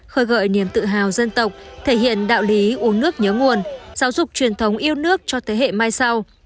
khơi gợi niềm tự hào dân tộc thể hiện đạo lý uống nước nhớ nguồn giáo dục truyền thống yêu nước cho thế hệ mai sau